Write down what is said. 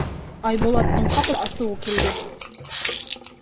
Айбулаттың ҡапыл асыуы килде.